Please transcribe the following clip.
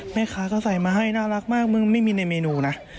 แม่ค้าก็ใส่มาให้น่ารักมากมึงไม่มีในเมนูนะ